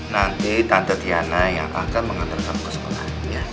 nanti tante tiana yang akan mengantarkan kamu ke sekolah